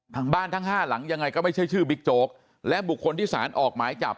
ทางบ้านทั้งห้าหลังยังไงก็ไม่ใช่ชื่อบิ๊กโจ๊กและบุคคลที่สารออกหมายจับ